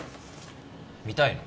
見たいの？